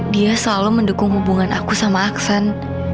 dia selalu mendukung hubungan aku sama aksen